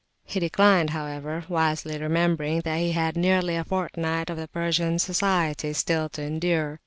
He declined, however, wisely remembering that he had nearly a fortnight of the Persians' society still to endure.